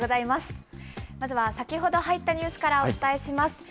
まずは先ほど入ったニュースからお伝えします。